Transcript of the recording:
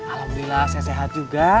alhamdulillah saya sehat juga